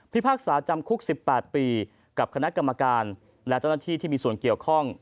พากษาจำคุก๑๘ปีกับคณะกรรมการและเจ้าหน้าที่ที่มีส่วนเกี่ยวข้อง